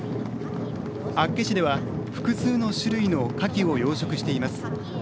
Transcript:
厚岸では複数の種類のカキを養殖しています。